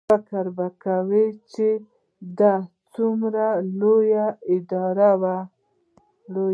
فکر به کوې چې دا څومره لویه اداره وي.